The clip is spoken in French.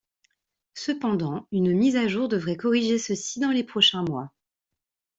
Cependant une mise à jour devrait corriger ceci dans les prochains mois.